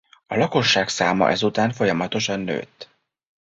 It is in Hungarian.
A lakosság száma ezután folyamatosan nőtt.